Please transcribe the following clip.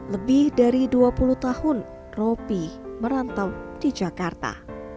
lebih dari dua puluh tahun ropi merantau di jakarta